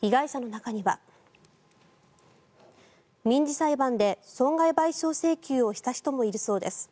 被害者の中には民事裁判で損害賠償請求をした人もいるそうです。